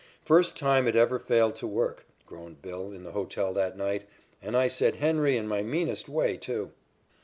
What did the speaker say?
"First time it ever failed to work," groaned "Bill" in the hotel that night, "and I said 'Henry' in my meanest way, too."